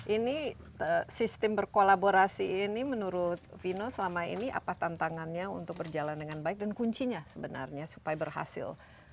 ini sistem berkolaborasi ini menurut vino selama ini apa tantangannya untuk berjalan dengan baik dan kuncinya sebenarnya supaya berhasil